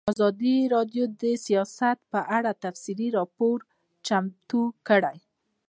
ازادي راډیو د سیاست په اړه تفصیلي راپور چمتو کړی.